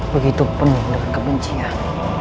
begitu penuh dengan kebencian